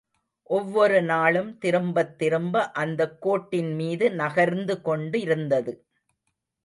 ஒவ்வொரு நாளும் திரும்பத் திரும்ப அந்தக் கோட்டின் மீது நகர்ந்து கொண்டிருந்தது.